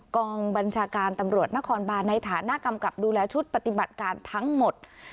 กองบัญชาการตำรวจนครบานในฐานะกำกับดูแลชุดปฏิบัติการทั้งหมด